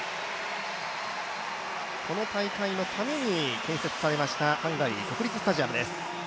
この大会のために建設されましたハンガリー国立スタジアムです。